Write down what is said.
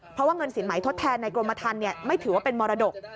เพราะว่าเงินสินใหม่ทดแทนในกรมธรรมไม่ถือว่าเป็นมรดก